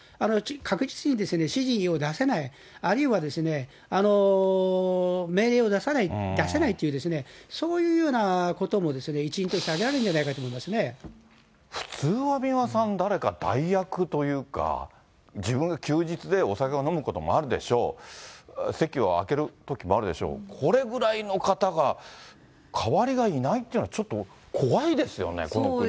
確実に指示を出せない、あるいは命令を出せないっていうね、そういうようなことも一因として挙げられるんじゃないかと思いま普通は三輪さん、誰か代役というか、自分が休日でお酒を飲むこともあるでしょう、席を空けるときもあるでしょう、これぐらいの方が代わりがいないっていうのは、ちょっと怖いですよね、この国は。